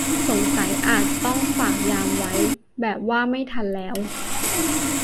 สงสัยอาจต้องฝากยามไว้ แบบว่าไม่ทันแล้ว